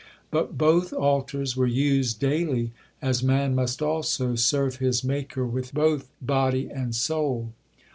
But both altars were used daily, as man must also serve his Maker with both body and soul.